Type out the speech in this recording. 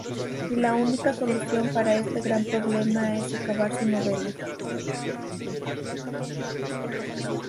Y la única solución para este gran problema es acabar su novela.